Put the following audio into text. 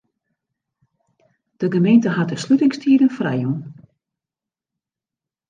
De gemeente hat de slutingstiden frijjûn.